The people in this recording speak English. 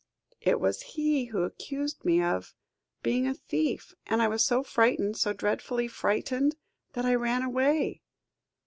"It was he who accused me of being a thief; and I was so frightened, so dreadfully frightened, that I ran away."